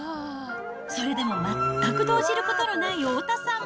それでも全く動じることのない太田さん。